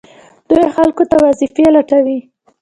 دوی خلکو ته وظیفې لټوي.